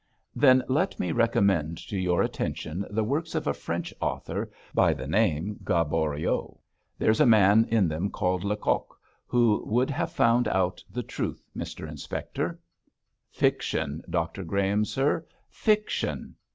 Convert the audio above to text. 'Then let me recommend to your attention the works of a French author, by name Gaboriau. There's a man in them called Lecoq, who would have found out the truth, Mr Inspector.' 'Fiction, Dr Graham, sir! Fiction.'